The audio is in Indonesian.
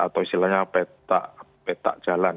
atau istilahnya peta jalan